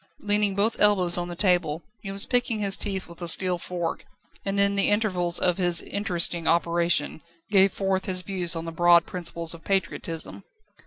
Leaning both elbows on the table, he was picking his teeth with a steel fork, and in the intervals of his interesting operation, gave forth his views on the broad principles of patriotism.